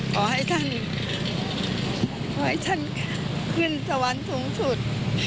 ขอให้ท่านขึ้นสวรรค์สูงสุด